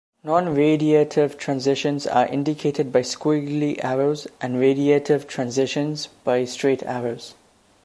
Nonradiative transitions are indicated by squiggly arrows and radiative transitions by straight arrows.